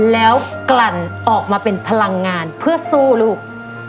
แล้วกลั่นออกมาเป็นพลังงานเพื่อสู้ลูก